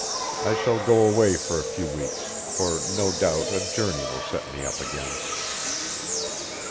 I shall go away for a few weeks, for no doubt a journey will set me up again.